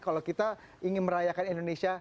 kalau kita ingin merayakan indonesia